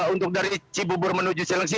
untuk dari cibubur menuju seleksi